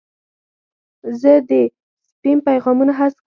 زه د سپیم پیغامونه حذف کوم.